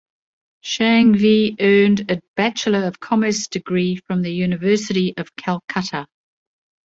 Shanghvi earned a Bachelor of Commerce degree from the University of Calcutta.